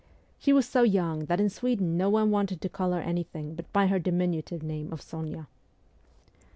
She was so young that in Sweden no one wanted to call her anything but by her diminutive name of Sonya.